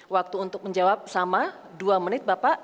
waktu untuk menjawab sama dua menit bapak